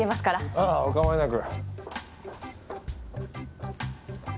ああおかまいなく。